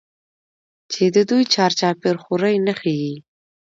چې د دوى چار چاپېر خورې نښي ئې